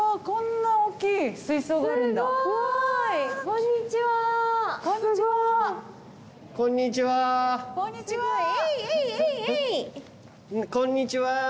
こんにちは。